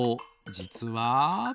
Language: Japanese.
じつは。